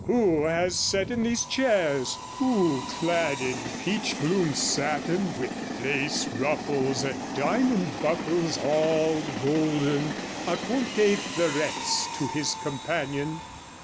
'Who has sat in these chairs? Who, clad in pMrsbloom satin, with lace ruffles and diamond buckles, all golden, a conte fleurettes to his companion?